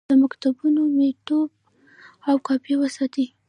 د مکتوب مینوټ او کاپي وساتئ.